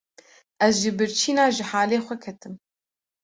Ez ji birçîna ji halê xwe ketim.